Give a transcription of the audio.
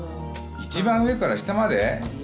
一番上から下まで？